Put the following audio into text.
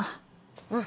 うん。